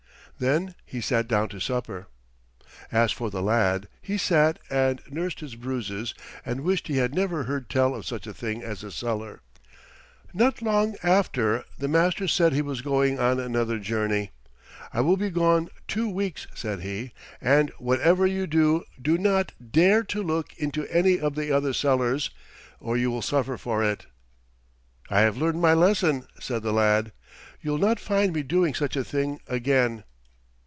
Then he sat down to supper. As for the lad he sat and nursed his bruises and wished he had never heard tell of such a thing as a cellar. Not long after the master said he was going on another journey. "I will be gone two weeks," said he, "and whatever you do, do not dare to look into any of the other cellars, or you will suffer for it." "I have learned my lesson," said the lad. "You'll not find me doing such a thing again."